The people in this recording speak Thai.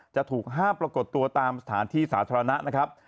จะถูกห้ามปรากฏตัวตามสถานที่สาธารณะนะครับ